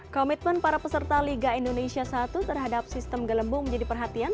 komitmen para peserta liga indonesia i terhadap sistem gelembung menjadi perhatian